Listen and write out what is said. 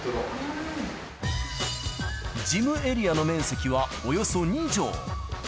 事務エリアの面積はおよそ２畳。